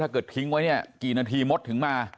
และก็คือว่าถึงแม้วันนี้จะพบรอยเท้าเสียแป้งจริงไหม